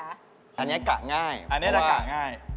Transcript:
อันนี้กะง่ายอันนี้จะกะง่าย